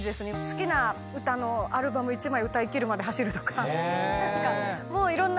好きな歌のアルバム１枚歌い切るまで走るとか何かもういろんな。